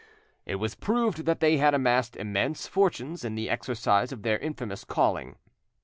It was proved that they had amassed immense fortunes in the exercise of their infamous calling.